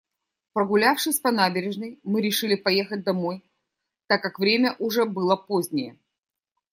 Прогулявшись по набережной, мы решили поехать домой, так как время уже было позднее.